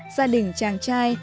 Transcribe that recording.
gia đình chàng trai